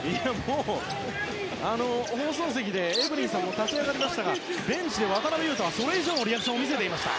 放送席ではエブリンさんも立ち上がりましたがベンチで渡邊雄太はそれ以上のリアクションを見せていました。